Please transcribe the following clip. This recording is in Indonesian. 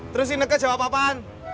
terus ineke jawab apaan